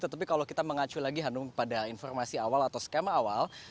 tetapi kalau kita mengacu lagi hanum pada informasi awal atau skema awal